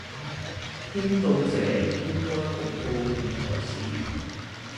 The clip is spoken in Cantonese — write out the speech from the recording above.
聽到這應該好高興才是